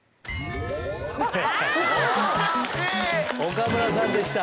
岡村さんでした。